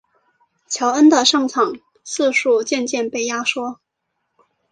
乔恩的上场次数渐渐被压缩。